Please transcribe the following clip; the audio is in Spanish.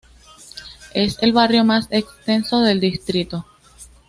Es el barrio más extenso del distrito.